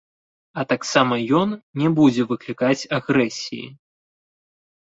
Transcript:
А таксама ён не будзе выклікаць агрэсіі.